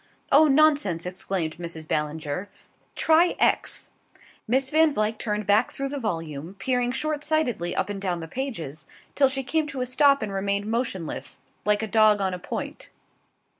"Oh, nonsense!" exclaimed Mrs. Ballinger. "Try X." Miss Van Vluyck turned back through the volume, peering short sightedly up and down the pages, till she came to a stop and remained motionless, like a dog on a point.